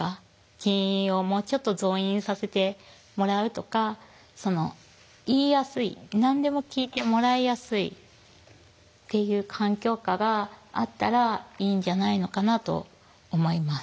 人員をもうちょっと増員させてもらうとか言いやすい何でも聞いてもらいやすいっていう環境下があったらいいんじゃないのかなと思います。